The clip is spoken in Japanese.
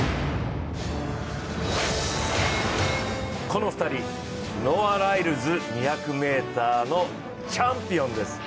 この２人、ノア・ライルズ２００ｍのチャンピオンです。